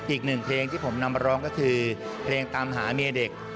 อีกหนึ่งเพลงที่ผมนำมาร้องก็คือเพลงตามหาเมียเด็ก